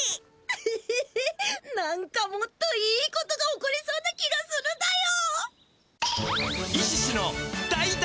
ヘヘヘなんかもっといいことが起こりそうな気がするだよ。